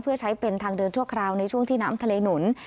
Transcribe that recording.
เพื่อใช้เป็นทางเดินชั่วคราวในช่วงที่น้ำทะเลหนุน